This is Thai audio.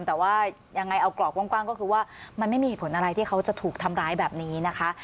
แต่ว่ายังไงเอากรอบกว้างก็คือว่ามันไม่มีเหตุผลอะไรที่เขาจะถูกทำร้ายแบบนี้นะคะ